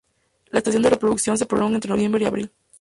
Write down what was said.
La estación de reproducción se prolonga entre noviembre y abril.